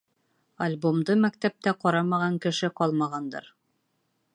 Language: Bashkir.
Альбомды мәктәптә ҡарамаған кеше ҡалмағандыр.